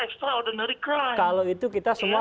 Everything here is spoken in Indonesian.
extraordinary crime kalau itu kita semua